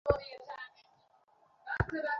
এই রাত্তিরে যাই বা কোথায়?